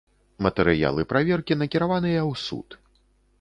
Матэрыялы праверкі накіраваныя ў суд.